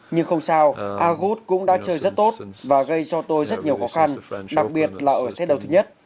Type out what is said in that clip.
nhưng không sao agut cũng đã chơi rất tốt và gây cho tôi rất nhiều khó khăn đặc biệt là ở xe đấu thứ nhất